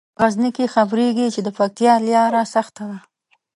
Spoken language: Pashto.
په غزني کې خبریږي چې د پکتیا لیاره سخته ده.